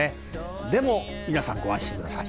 でも皆さん、ご安心ください。